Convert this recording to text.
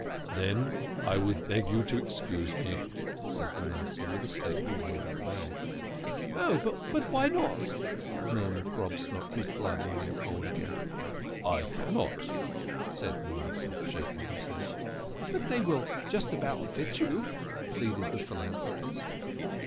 "Then I would beg you to excuse me," said Manasseh, with a stately wave of the bag. 22 THE KING OF SCHNORRERS. " Oh, but why not ?" murmured Grobstock, his blood running cold again. " I cannot,' 1 said Manasseh, shaking his head. " But they will just about fit you," pleaded the philan thropist.